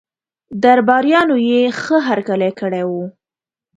درباریانو یې ښه هرکلی کړی وو.